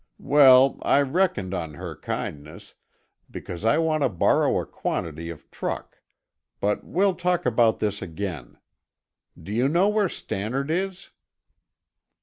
Well, I reckoned on her kindness, because I want to borrow a quantity of truck, but we'll talk about this again. Do you know where Stannard is?"